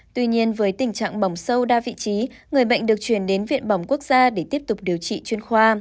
tuy nhiên với tình trạng bỏng sâu đa vị trí người bệnh được chuyển đến viện bỏng quốc gia để tiếp tục điều trị chuyên khoa